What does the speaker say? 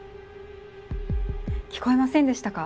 聞こえませんでしたか？